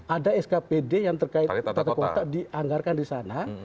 ada skpd yang terkait tata kota dianggarkan di sana